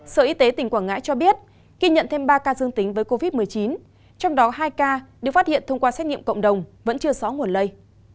sở y tế tỉnh quảng ngãi cho biết ghi nhận thêm ba ca dương tính với covid một mươi chín trong đó hai ca được phát hiện thông qua xét nghiệm cộng đồng vẫn chưa rõ nguồn lây